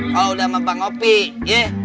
kalau udah sama bang ngopi ye